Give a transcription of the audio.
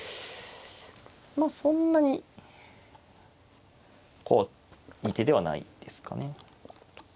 まあそんなに怖い手ではないですかね。